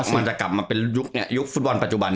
มันจะกลับมาเป็นยุคฟุตบอลปัจจุบัน